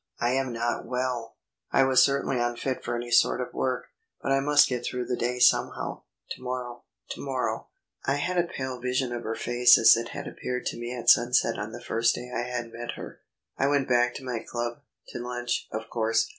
"I am not well." I was certainly unfit for any sort of work. "But I must get through the day somehow." To morrow ... to morrow.... I had a pale vision of her face as it had appeared to me at sunset on the first day I had met her. I went back to my club to lunch, of course.